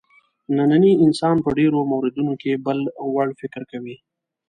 نننی انسان په ډېرو موردونو کې بل وړ فکر کوي.